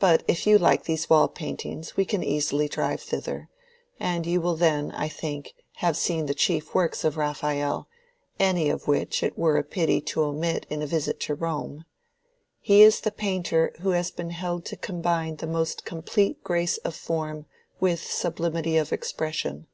But if you like these wall paintings we can easily drive thither; and you will then, I think, have seen the chief works of Raphael, any of which it were a pity to omit in a visit to Rome. He is the painter who has been held to combine the most complete grace of form with sublimity of expression.